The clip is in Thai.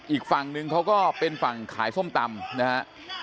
อีกฝั่งนึงเขาก็เป็นฝั่งขายส้มตำนะฮะ